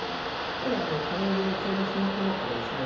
やはり加齢でちょうどそのころからですね